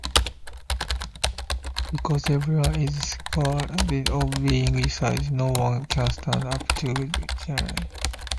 Because everyone is scared of being sued, no one can stand up to Gerald.